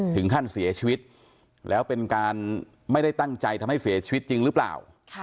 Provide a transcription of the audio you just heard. ถึงขั้นเสียชีวิตแล้วเป็นการไม่ได้ตั้งใจทำให้เสียชีวิตจริงหรือเปล่า